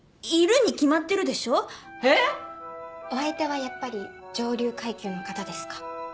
お相手はやっぱり上流階級の方ですか？